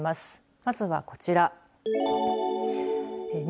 まずは、こちら。